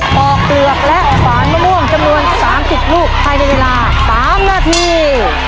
ปอกเปลือกและฝานมะม่วงจำนวน๓๐ลูกภายในเวลา๓นาที